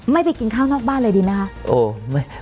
ไปกินข้าวนอกบ้านเลยดีไหมคะ